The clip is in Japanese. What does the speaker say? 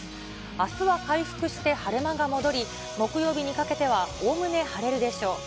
あすは回復して晴れ間が戻り、木曜日にかけてはおおむね晴れるでしょう。